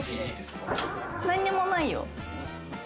何もないよ。